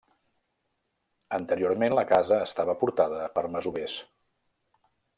Anteriorment la casa estava portada per masovers.